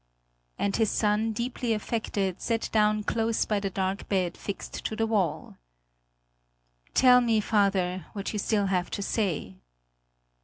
And his son, deeply affected, sat down close by the dark bed fixed to the wall: "Tell me, father, what you still have to say."